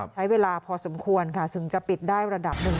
ใช้เวลาพอสมควรค่ะถึงจะปิดได้ระดับหนึ่ง